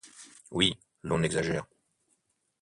Oui, l'on exagère.